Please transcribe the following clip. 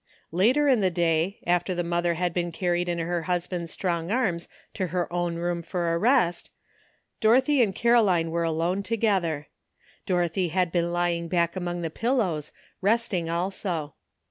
Later in the day, after the mother had been carried in her husband's strong arms to her own room for a rest, Dorothy and Caroline were alone together. Dorothy had be«n lying back among the pillows, resting also.